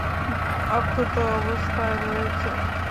অক্ষত অবস্থায় রয়েছে?